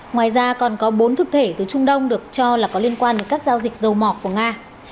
ngoài ra còn có bốn thực thể từ trung đông được cho là có liên quan đến các giao dịch dầu mọc của nga